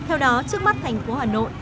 theo đó trước mắt thành phố hà nội